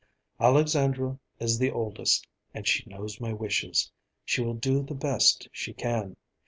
Alexandra is the oldest, and she knows my wishes. She will do the best she can.